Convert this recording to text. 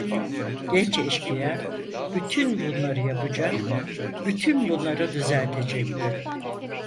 Genç eşkıya, bütün bunları yapacak, bütün bunları düzeltecekti.